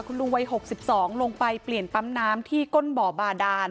คุณลุงวัย๖๒ลงไปเปลี่ยนปั๊มน้ำที่ก้นบ่อบาดาน